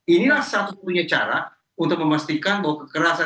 inilah satu satunya cara untuk memastikan bahwa kekerasan